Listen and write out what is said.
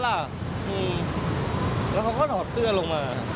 แล้วเขาก็ถอดเสื้อลงมา